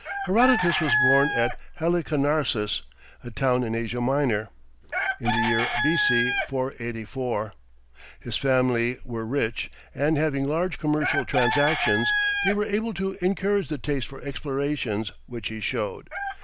Herodotus was born at Halicarnassus, a town in Asia Minor, in the year B.C. 484. His family were rich, and having large commercial transactions they were able to encourage the taste for explorations which he showed.